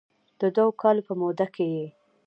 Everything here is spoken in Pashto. د دوه کالو په موده کې یې